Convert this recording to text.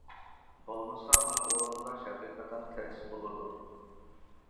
بولمىسا ئۇنى ئورۇنداش ھەقىقەتەن تەس بولىدۇ.